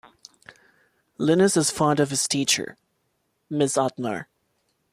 Linus is fond of his teacher, Miss Othmar.